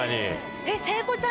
えっ聖子ちゃん